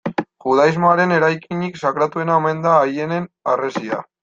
Judaismoaren eraikinik sakratuena omen da Aieneen Harresia.